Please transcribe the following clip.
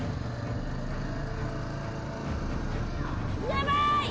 やばい！